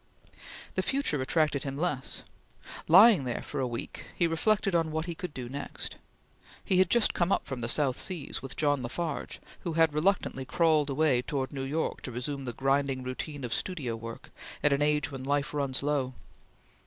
The future attracted him less. Lying there for a week he reflected on what he could do next. He had just come up from the South Seas with John La Farge, who had reluctantly crawled away towards New York to resume the grinding routine of studio work at an age when life runs low.